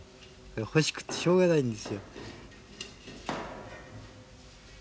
欲しくてしょうがないんですよ。